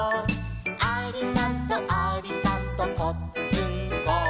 「ありさんとありさんとこっつんこ」